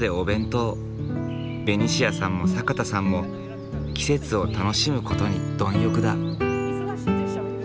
ベニシアさんも坂田さんも季節を楽しむ事に貪欲だ。